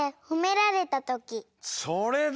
それだ！